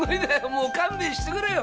もう勘弁してくれよ！